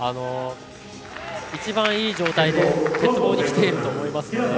一番いい状態が鉄棒にきていると思います。